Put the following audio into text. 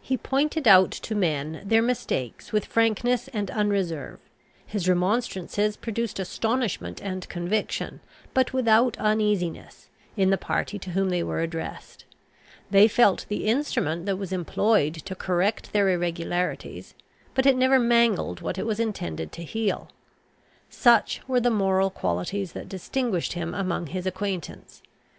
He pointed out to men their mistakes with frankness and unreserve, his remonstrances produced astonishment and conviction, but without uneasiness, in the party to whom they were addressed: they felt the instrument that was employed to correct their irregularities, but it never mangled what it was intended to heal. Such were the moral qualities that distinguished him among his acquaintance.